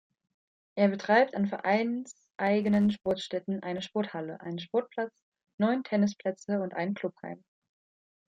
Er betreibt an vereinseigenen Sportstätten eine Sporthalle, einen Sportplatz, neun Tennisplätze und ein Clubheim.